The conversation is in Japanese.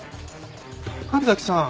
神崎さん。